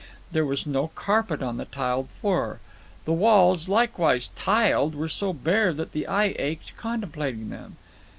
There was no carpet on the tiled floor. The walls, likewise tiled, were so bare that the eye ached contemplating them.